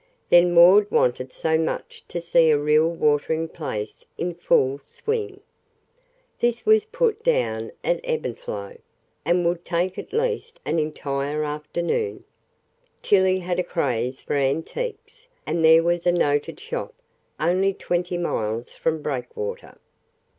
Then Maud wanted so much to see a real watering place in full swing. This was put down as Ebbinflow, and would take up at least an entire afternoon. Tillie had a craze for antiques, and there was a noted shop only twenty miles from Breakwater.